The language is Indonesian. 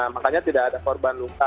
makanya tidak ada korban luka